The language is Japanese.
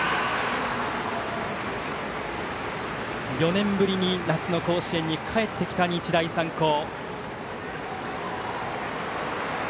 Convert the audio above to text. ４年ぶりに夏の甲子園に帰ってきた日大三高。